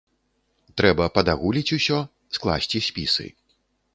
Трэба падагуліць усё, скласці спісы.